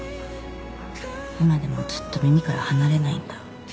今でもずっと耳から離れないんだ。